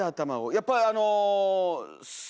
やっぱりあの。